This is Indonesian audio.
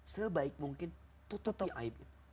sebaik mungkin tutupi aib